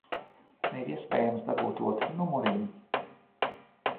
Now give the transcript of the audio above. Vai ir iespējams dabūt otru numuriņu?